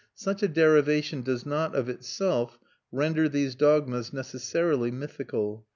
Such a derivation does not, of itself, render these dogmas necessarily mythical.